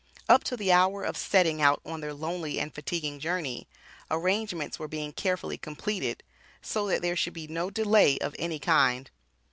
Up to the hour of setting out on their lonely and fatiguing journey, arrangements were being carefully completed, so that there should be no delay of any kind.